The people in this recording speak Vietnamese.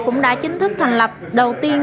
cũng đã chính thức thành lập đầu tiên